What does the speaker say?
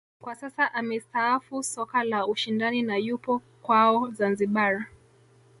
Kwa sasa amestaafu soka la ushindani na yupo kwao Zanzibar